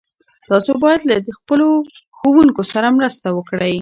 تاسو باید له خپلو ښوونکو سره مرسته وکړئ.